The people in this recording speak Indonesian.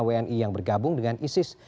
wni yang bergabung dengan isis